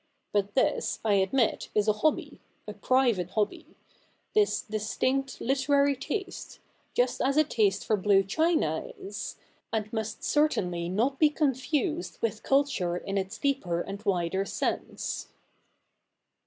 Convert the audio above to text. But this, I admit, is a hobby — a private hobby — this distinct literary taste, just as a taste for blue china is, and must certainly not be confused with culture in its deeper and wider sense.'